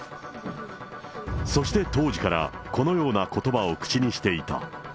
そして当時からこのようなことばを口にしていた。